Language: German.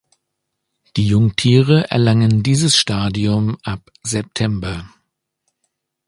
Die Jungtiere erlangen dieses Stadium ab September.